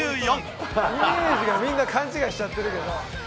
イメージがみんな勘違いしちゃってるけど。